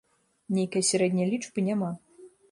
Нейкай сярэдняй лічбы няма.